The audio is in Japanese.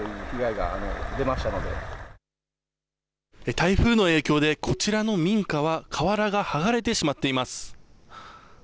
台風の影響で、こちらの民家は瓦がはがれてしまっています。